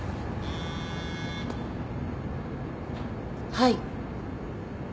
はい。